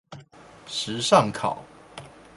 時尚考